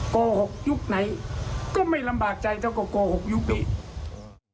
โกหกยุคไหนก็ไม่ลำบากใจเท่ากับโกหกยุคนี้